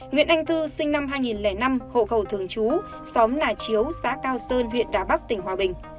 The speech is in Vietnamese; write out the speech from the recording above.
nguyễn anh thư sinh năm hai nghìn năm hộ khẩu thường chú xóm nà chiếu xã cao sơn huyện đà bắc tỉnh hòa bình